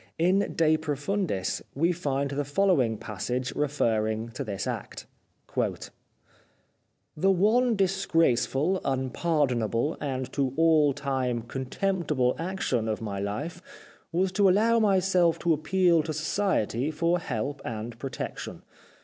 In " De Pro fundis " we find the following passage referring to this act :—" The one disgraceful, unpardon able, and to all time contemptible action of my life was to allow myself to appeal to society for help and protection.